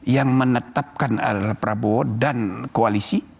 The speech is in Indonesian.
yang menetapkan adalah prabowo dan koalisi